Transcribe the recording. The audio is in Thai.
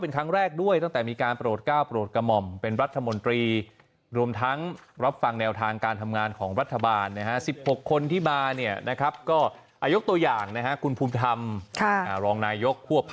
คุณเศรษฐาทวิสินนะครับ